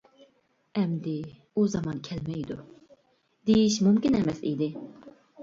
ئەمدى ئۇ زامان كەلمەيدۇ، دېيىش مۇمكىن ئەمەس ئىدى.